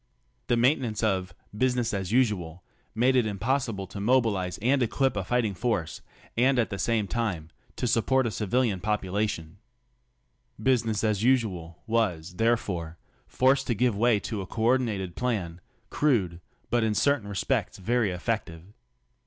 > The maintenance of "business as usual" made it impossible ^ to mobilize and equip a fighting force and at the same time * to support a civilian population, "Business as usual" was, ^ therefore, forced to give way to a co ordinated plan, crude, but in certain respects very effective.